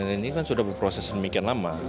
ini kan sudah berproses demikian lama